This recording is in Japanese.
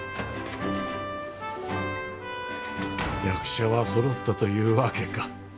役者はそろったというわけか。